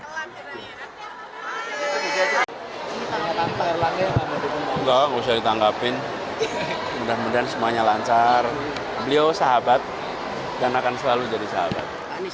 enggak usah ditanggapin mudah mudahan semuanya lancar beliau sahabat dan akan selalu jadi sahabat